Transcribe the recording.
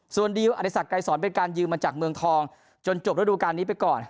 ส่วนดิวอริสักไกรสอนเป็นการยืมมาจากเมืองทองจนจบระดูการนี้ไปก่อน